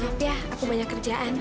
maaf ya aku banyak kerjaan